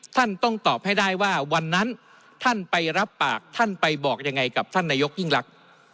ท่านต้องตอบให้ได้ว่าวันนั้นท่านไปรับปากท่านไปบอกยังไงกับท่านนายกยิ่งรัก